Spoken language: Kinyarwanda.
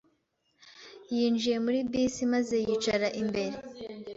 Yinjiye muri bisi maze yicara imbere.